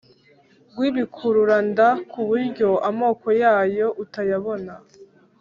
w’ibikururanda ku buryo amaboko yayo utayabona